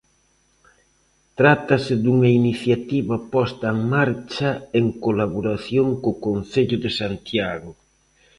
Trátase dunha iniciativa posta en marcha en colaboración co Concello de Santiago.